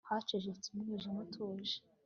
hacecetse umwijima utuje